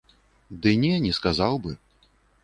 Ды не, не сказаў бы.